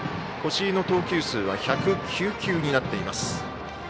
越井の投球数は１０９球になっています。